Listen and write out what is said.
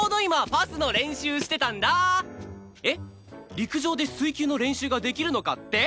陸上で水球の練習ができるのかって？